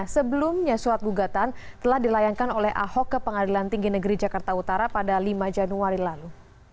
sebelumnya surat gugatan telah dilayangkan oleh ahok ke pengadilan tinggi negeri jakarta utara pada lima januari lalu